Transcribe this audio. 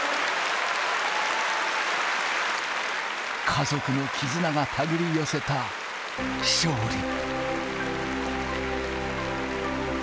家族の絆が手繰り寄せた勝利。